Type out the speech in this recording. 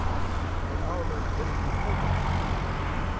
But Oliver bitterly protested.